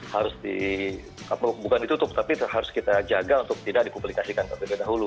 harus di bukan ditutup tapi harus kita jaga untuk tidak di publikasikan seperti dahulu